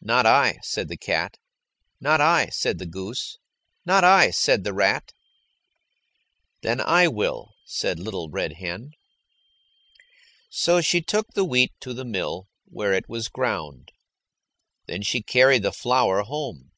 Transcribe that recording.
"Not I," said the cat. "Not I," said the goose. "Not I," said the rat. "Then I will," said Little Red Hen. So she took the wheat to the mill, where it was ground. Then she carried the flour home.